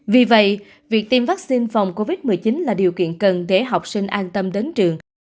vì vậy việc tiêm vaccine phòng covid một mươi chín là điều kiện cần để học sinh an tâm đến trường